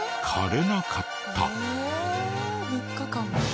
え３日間。